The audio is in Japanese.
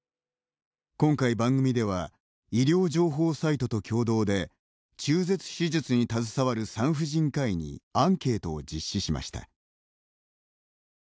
今回番組では医療情報サイトと共同で中絶手術に携わる産婦人科医にアンケートを実施しました。